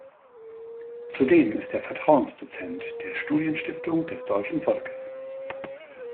Zudem ist er Vertrauensdozent der Studienstiftung des deutschen Volkes.